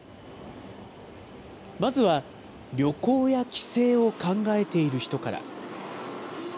まずは旅行や帰省を考えている人から。